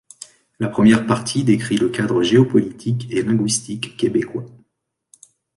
La première partie décrit le cadre géopolitique et linguistique québécois.